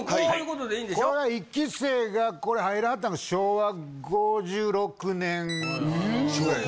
これは１期生がこれ入らはったの昭和５６年ぐらい。